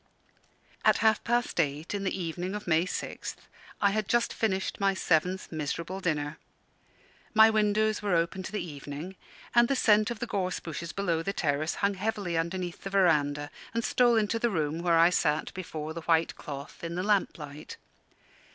At half past eight in the evening of May 6th I had just finished my seventh miserable dinner. My windows were open to the evening, and the scent of the gorse bushes below the terrace hung heavily underneath the verandah and stole into the room where I sat before the white cloth, in the lamp light.